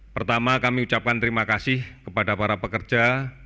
pertama kami ucapkan terima kasih kepada para pekerja